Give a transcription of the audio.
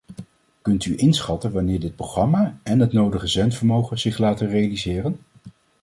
Kunt u inschatten wanneer dit programma en het nodige zendvermogen zich laten realiseren?